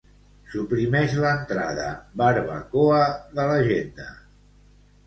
Suprimeix l'entrada "barbacoa" de l'agenda.